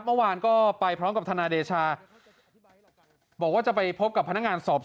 เมื่อวานก็ไปพร้อมกับทนายเดชาบอกว่าจะไปพบกับพนักงานสอบสวน